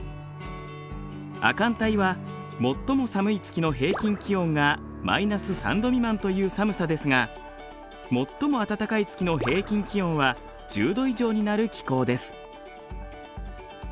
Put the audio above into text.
亜寒帯は最も寒い月の平均気温がマイナス３度未満という寒さですが最も暖かい月の平均気温は１０度以上になる気候です。